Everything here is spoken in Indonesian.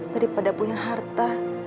daripada punya harta